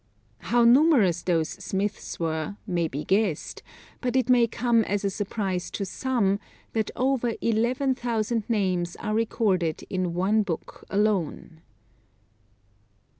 How numerous those smiths were may be guessed, but it may come as a surprise to some, that over 11,000 names are recorded in one book alone.